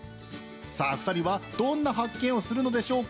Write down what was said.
２人はどんな発見をするのでしょうか。